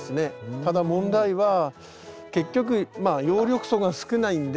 ただ問題は結局葉緑素が少ないんで。